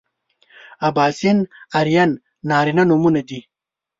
اباسین ارین نارینه نومونه دي